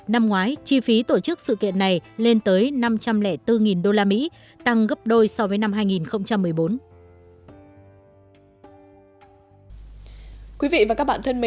năm ngoái chi phí tổ chức sự kiện này lên tới năm trăm linh bốn usd tăng gấp đôi so với năm hai nghìn một mươi bốn